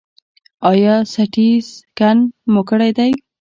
ایا سټي سکن مو کړی دی؟